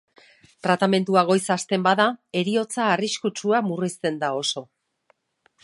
Tratamendua goiz hasten bada heriotza arriskua murrizten da oso.